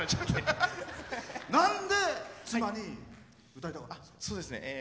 なんで妻に歌いたかったんですか。